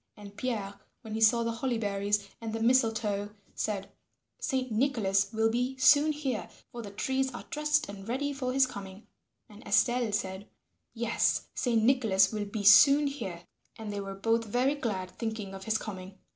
And Pierre when he saw the holly berries and the mistletoe said, "Saint Nicholas will be soon here, for the trees are dressed and ready for his coming." And Estelle said, "Yes, Saint Nicholas will be soon here." And they were both very glad thinking of his coming.